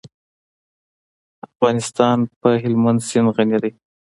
افغانستان په هلمند سیند غني دی.